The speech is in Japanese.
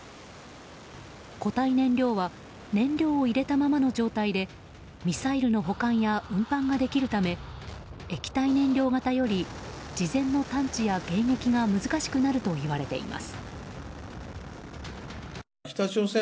固体燃料は燃料を入れたままの状態でミサイルの保管や運搬ができるため液体燃料型より事前の探知や迎撃が難しくなるといわれています。